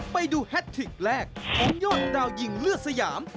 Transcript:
ไปดูแฮทริกแรกของยอดดาวยิงเลือดสยาม